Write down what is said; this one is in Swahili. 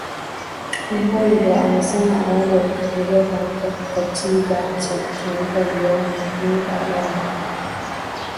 Ruhundwa amesema awali walifikiria kuandika kitabu cha kutumika vyuoni lakini baada ya mijadala wameona